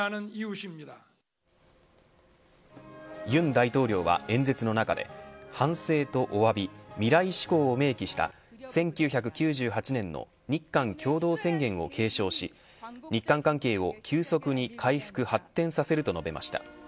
尹大統領は演説の中で反省とおわび、未来志向を明記した１９９８年の日韓共同宣言を継承し日韓関係を急速に回復、発展させると述べました。